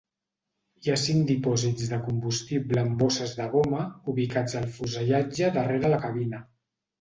Hi ha cinc dipòsits de combustible amb bosses de goma ubicats al fusellatge darrere la cabina.